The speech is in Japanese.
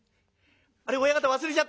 あれ親方忘れちゃったんですか？」。